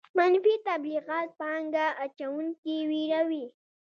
منفي تبلیغات پانګه اچوونکي ویروي.